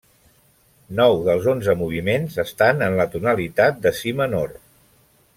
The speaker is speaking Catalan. Nou dels onze moviments estan en la tonalitat de si menor.